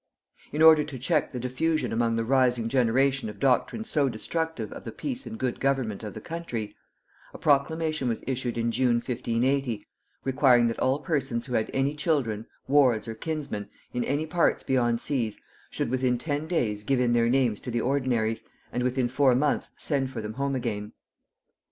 In order to check the diffusion among the rising generation of doctrines so destructive of the peace and good government of the country, a proclamation was issued in June 1580, requiring that all persons who had any children, wards, or kinsmen, in any parts beyond seas, should within ten days give in their names to the ordinaries, and within four months send for them home again.